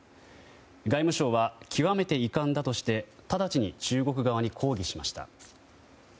外務省は、極めて遺憾だとして直ちに中国側に抗議しました。